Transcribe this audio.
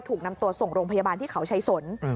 ถูกนำตัวส่งโรงพยาบาลที่เขาชัยสน